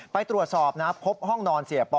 ไปตรวจสอบนะพบห้องนอนเสียปอ